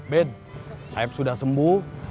ben sayap sudah sembuh